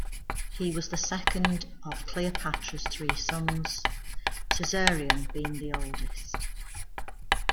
He was the second of Cleopatra's three sons, Caesarion being the oldest.